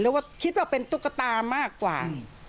ว่าคิดว่าเป็นตุ๊กตามากกว่า